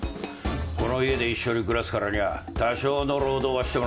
この家で一緒に暮らすからには多少の労働はしてもらうぞ。